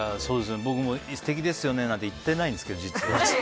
僕も素敵ですよねなんて行ってないんですけど、実は。